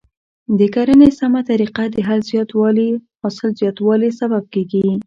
د کرنې سمه طریقه د حاصل زیاتوالي سبب کیږي.